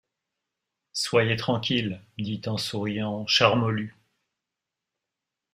Soyez tranquille, dit en souriant Charmolue.